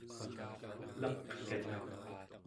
elaqliq